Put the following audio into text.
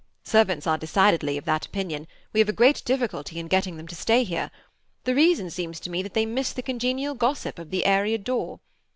Servants are decidedly of that opinion; we have a great difficulty in getting them to stay here. The reason seems to me that they miss the congenial gossip of the area door.